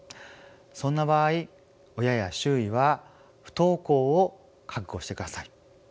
そんな場合親や周囲は不登校を覚悟してください。